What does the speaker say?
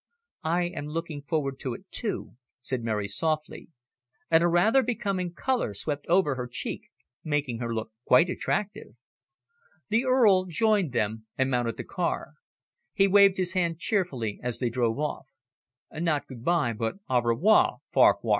"I am looking forward to it, too," said Mary softly, and a rather becoming colour swept over her cheek, making her look quite attractive. The Earl joined them and mounted the car. He waved his hand cheerfully as they drove off. "Not good bye, but au revoir, Farquhar.